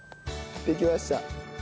できました。